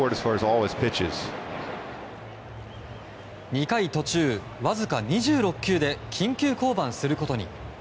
２回途中、わずか２６球で緊急降板することに。